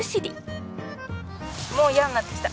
もう嫌になってきた。